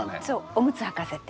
おむつはかせて。